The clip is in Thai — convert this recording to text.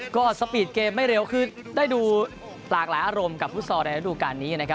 ก็สปีดเกมไม่เร็วคือได้ดูหลากหลายอารมณ์กับฟุตซอลในระดูการนี้นะครับ